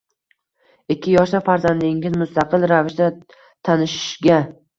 Ikki yoshda farzandingiz mustaqil ravishda tanishishga